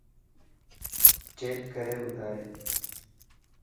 چيڪ ڪري ٻڌائي